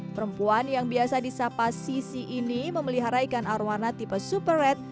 perempuan yang biasa disapa sisi ini memelihara ikan arowana tipe super red